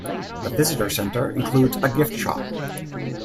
The visitor centre includes a gift shop.